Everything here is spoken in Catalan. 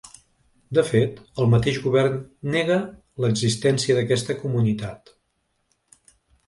De fet, el mateix govern nega l’existència d’aquesta comunitat.